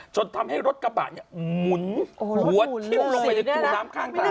จนทำให้รถกระบะเนี่ยหมุนหัวทิ้มลงไปในคูน้ำข้างทาง